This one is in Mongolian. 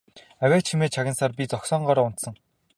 Авиа чимээ чагнасаар би зогсоогоороо унтсан.